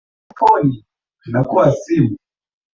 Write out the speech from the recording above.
ni ishara tosha kwamba siku za bagbo zime hesabiwa